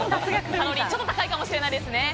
カロリーはちょっと高いかもしれないですね。